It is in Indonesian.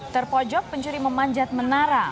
terpojok pencuri memanjat menara